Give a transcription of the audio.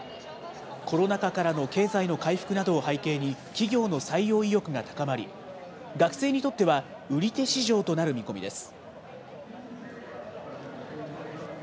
コロナ禍からの経済の回復などを背景に、企業の採用意欲が高まり、学生にとっては売手市場となる見込みです。